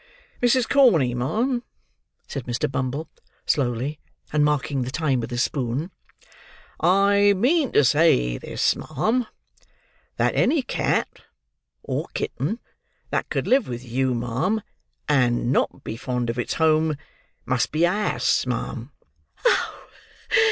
"Mrs. Corney, ma'am," said Mr. Bumble, slowly, and marking the time with his teaspoon, "I mean to say this, ma'am; that any cat, or kitten, that could live with you, ma'am, and not be fond of its home, must be a ass, ma'am."